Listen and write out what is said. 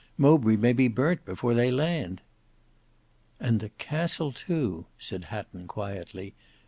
Mowbray may be burnt before they land." "And the castle too," said Hatton quietly.